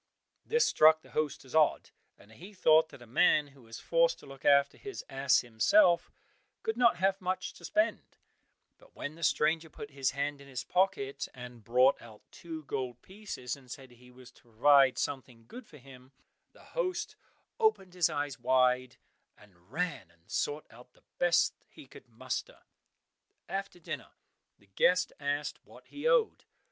This struck the host as odd, and he thought that a man who was forced to look after his ass himself, could not have much to spend; but when the stranger put his hand in his pocket and brought out two gold pieces, and said he was to provide something good for him, the host opened his eyes wide, and ran and sought out the best he could muster. After dinner the guest asked what he owed.